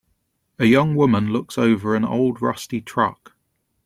A young woman looks over an old rusty truck.